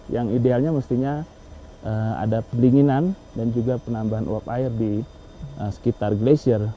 yang idealnya mestinya ada pelinginan dan juga penambahan uap air di sekitar glasier